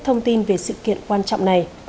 thông tin về sự kiện quan trọng này